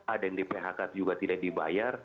ada yang di phk juga tidak dibayar